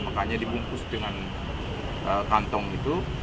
makanya dibungkus dengan kantong itu